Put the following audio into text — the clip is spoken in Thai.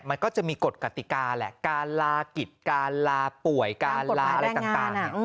มันก็จะมีกฎกติกาแหละการลากิจการลาป่วยการลาอะไรต่าง